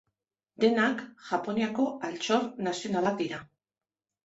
Denak Japoniako Altxor Nazionalak dira.